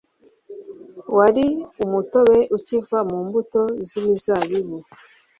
wari umutobe ukiva mu mbuto z’imizabibu